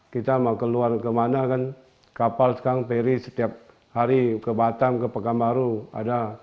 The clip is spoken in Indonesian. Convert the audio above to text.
kita mau keluar kemana kan kapal sekarang peri setiap hari ke batam ke pekanbaru ada